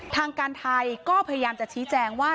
ทางการไทยก็พยายามจะชี้แจงว่า